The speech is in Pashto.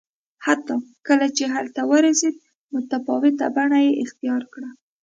حتی کله چې هلته ورسېدل متفاوته بڼه یې اختیار کړه